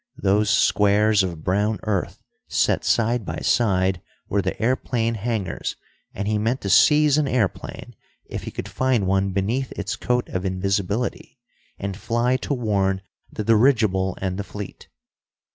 Those squares of brown earth, set side by side, were the airplane hangars, and he meant to seize an airplane, if he could find one beneath its coat of invisibility, and fly to warn the dirigible and the fleet.